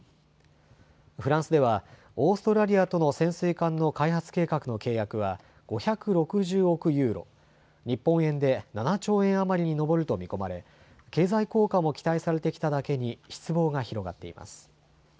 フランスでは、オーストラリアとの潜水艦の開発計画の契約は５６０億ユーロ、日本円で７兆円余りに上ると見込まれ、経済効果も期待されてきただけに、失望が広がっています。